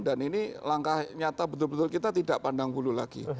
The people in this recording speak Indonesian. dan ini langkah nyata betul betul kita tidak pandang kepadanya